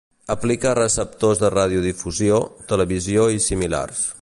Aplica a receptors de radiodifusió, televisió i similars.